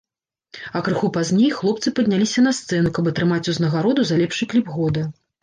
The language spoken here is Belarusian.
А крыху пазней хлопцы падняліся на сцэну, каб атрымаць узнагароду за лепшы кліп года.